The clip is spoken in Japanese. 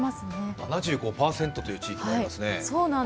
７５％という地域もありますね。